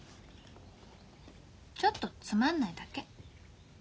ちょっとつまんないだけ。